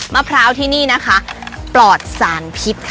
มะพร้าวที่นี่นะคะปลอดสารพิษค่ะ